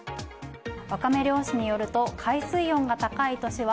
ワカメ漁師によると海水温が高い年は